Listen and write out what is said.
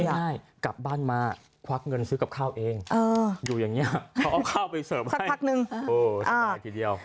ง่ายกลับบ้านมาควักเงินซื้อกับข้าวเองอยู่อย่างนี้เขาเอาข้าวไปเสิร์ฟสักพักนึงโอ้สบายทีเดียว